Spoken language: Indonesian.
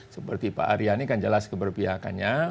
seperti pak arya ini kan jelas keberpihakannya